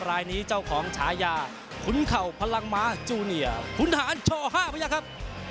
รายนี้เจ้าของชายาขุนเข่าพลังม้าจูนิอร์ขุนฐานโชฮ่าพระเยาะครับ